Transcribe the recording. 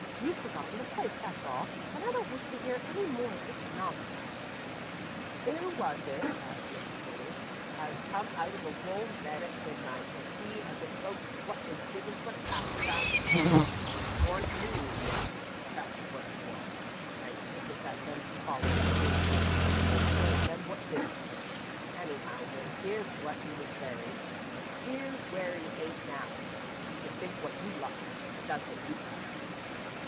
"You've forgotten the place, that's all, and I don't wish to hear any more of this nonsense." "'Oo was it?" asked Mrs. Smithers, "as come out of a warm bed at midnight to see as if folks wot was diggin' for cats found anythink? 'T warn't me, Miss, that's wot it warn't, and I take it that them as follers is as nonsensical as them wot digs. Anyhow, Miss, 'ere's where 'e was buried, and 'ere's where 'e ain't now. You can think wot you likes, that's wot you can."